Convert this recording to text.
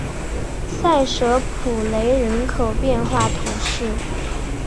塞舍普雷人口变化图示